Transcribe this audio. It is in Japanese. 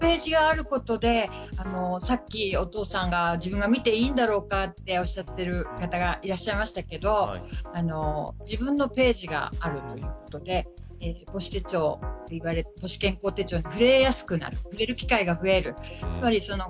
このページが加わった目的とはこのページがあることでさっきお父さんが、自分が見ていいんだろうかとおっしゃっている方がいらっしゃいましたけど自分のページがあるということで母子健康手帳に触れやすくなる触れる機会が増える。